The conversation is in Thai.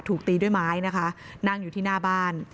ถูกตีด้วยไม้นะคะนั่งอยู่ที่หน้าบ้าน